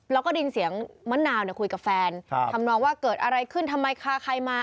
แล้วก็ได้ยินเสียงมะนาวคุยกับแฟนทำนองว่าเกิดอะไรขึ้นทำไมพาใครมา